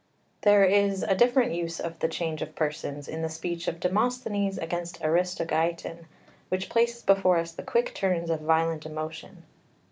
'" 3 There is a different use of the change of persons in the speech of Demosthenes against Aristogeiton, which places before us the quick turns of violent emotion.